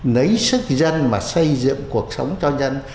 lấy sức dân mà xây dựng cuộc sống cho dân